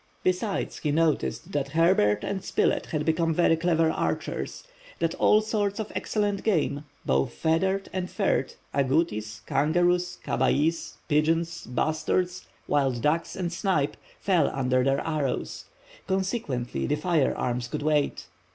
Besides, he noticed that Herbert and Spilett had become very clever archers, that all sorts of excellent game, both feathered and furred—agoutis, kangaroos, cabiais, pigeons, bustards, wild ducks, and snipe—fell under their arrows; consequently the firearms could wait.